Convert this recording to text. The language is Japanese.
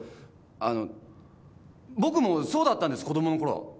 あの僕もそうだったんです子供のころ。